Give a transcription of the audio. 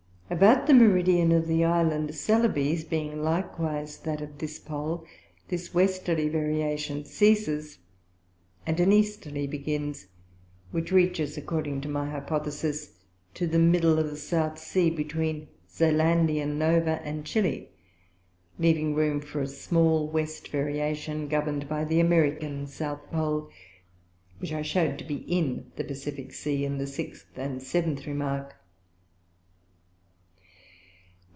About the Meridian of the Island Celebes, being likewise that of this Pole, this Westerly Variation ceases, and an Easterly begins; which reaches, according to my Hypothesis, to the middle of the South Sea, between Zelandia Nova, and Chili, leaving room for a small West Variation govern'd by the American South Pole, which I shew'd to be in the Pacifick Sea, in the sixth and seventh Remark.